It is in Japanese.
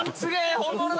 本物だ。